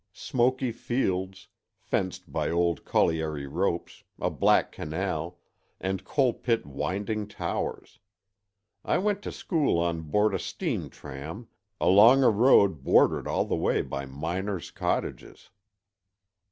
Smoky fields, fenced by old colliery ropes, a black canal, and coalpit winding towers. I went to school on board a steam tram, along a road bordered all the way by miners' cottages."